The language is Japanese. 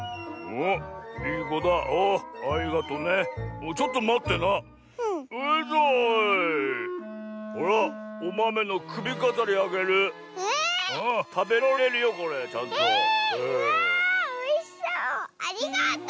わあおいしそう！